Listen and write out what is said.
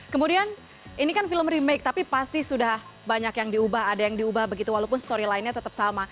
kemudian ini kan film remake tapi pasti sudah banyak yang diubah ada yang diubah begitu walaupun story lainnya tetap sama